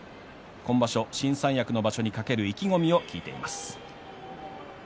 今場所、新三役の場所に懸ける意気込みを聞いています。